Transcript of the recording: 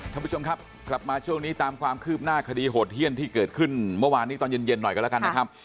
ท่านผู้ชมครับกลับมาช่วงนี้ตามความคืบหน้าคดีโหดเยี่ยมที่เกิดขึ้นเมื่อวานนี้ตอนเย็นหน่อยกันแล้วกันนะครับ